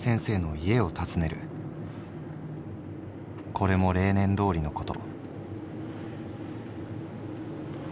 これも例年通りのこと」。